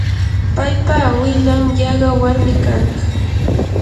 paypa awilan yaqa warmi kanaq.